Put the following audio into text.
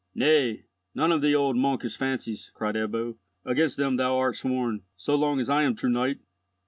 "Nay, none of the old monkish fancies," cried Ebbo, "against them thou art sworn, so long as I am true knight."